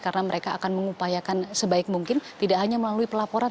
karena mereka akan mengupayakan sebaik mungkin tidak hanya melalui pelaporan